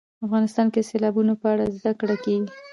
افغانستان کې د سیلابونه په اړه زده کړه کېږي.